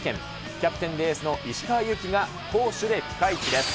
キャプテンでエースの石川祐希が攻守でピカイチです。